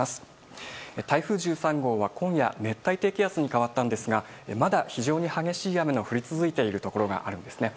台風１３号は今夜熱帯低気圧に変わったんですがまだ非常に激しい雨の降り続いているところがあるんですね。